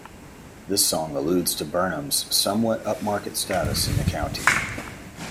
This song alludes to Burnham's somewhat upmarket status in the county.